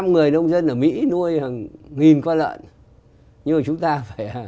năm người nông dân ở mỹ nuôi hàng nghìn khoa lợn nhưng mà chúng ta phải hàng trăm người